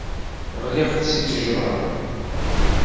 Ɣliɣ-d seg ttejra.